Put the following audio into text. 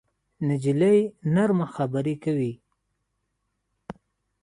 نجلۍ نرمه خبرې کوي.